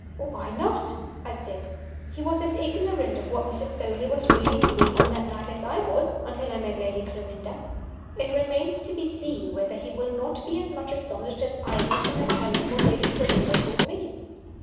"Why not?" I said. "He was as ignorant of what Mrs. Beauly was really doing on that night as I was until I met Lady Clarinda. It remains to be seen whether he will not be as much astonished as I was when I tell him what Lady Clarinda told me."